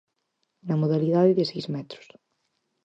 Na modalidade de seis metros.